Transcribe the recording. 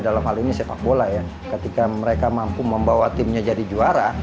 dalam hal ini sepak bola ya ketika mereka mampu membawa timnya jadi juara